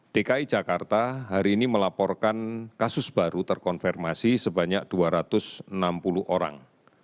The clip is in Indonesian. dki jakarta hari ini melaporkan kasus baru terkonfirmasi sebanyak dua ratus enam puluh orang